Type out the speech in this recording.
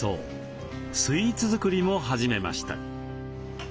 スイーツ作りも始めました。